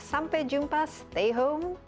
sampai jumpa stay home